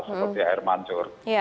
seperti air mancur